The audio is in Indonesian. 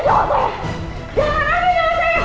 aku gak mau mati